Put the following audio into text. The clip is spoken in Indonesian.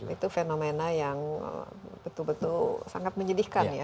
itu fenomena yang betul betul sangat menyedihkan ya